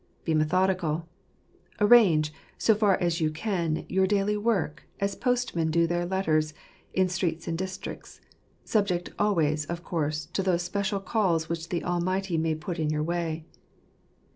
Be methodical. Arrange, so far as you can, your daily work, as postmen do their letters, in streets and districts ; subject always, of course, to those special calls which the Almighty may put in your way.